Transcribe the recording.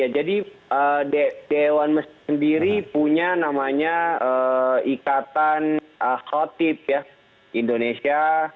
jadi dewan mesjid sendiri punya namanya ikatan khotib indonesia